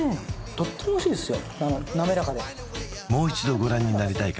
とってもおいしいですよ